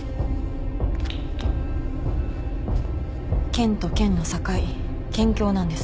県と県の境県境なんです。